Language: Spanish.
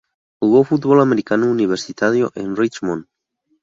Jugó fútbol americano universitario en Richmond.